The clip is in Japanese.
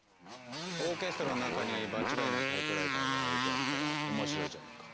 オーケストラの中に場違いなタイプライターが置いてあったら面白いじゃないか。